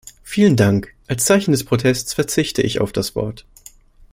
Vielen Dank, als Zeichen des Protests verzichte ich auf das Wort.